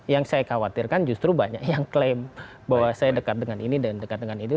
yang saya khawatirkan justru banyak yang klaim bahwa saya dekat dengan ini dan dekat dengan itu